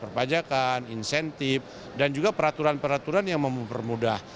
perpajakan insentif dan juga peraturan peraturan yang mempermudah